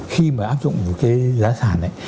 khi mà áp dụng cái giá sản ấy